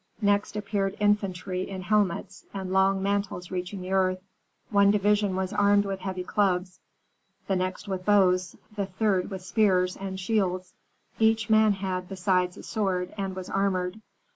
Next appeared infantry in helmets, and long mantles reaching the earth. One division was armed with heavy clubs, the next with bows, the third with spears and shields. Each man had, besides, a sword, and was armored.